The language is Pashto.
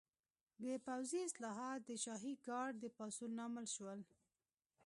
د پوځي اصلاحات د شاهي ګارډ د پاڅون لامل شول.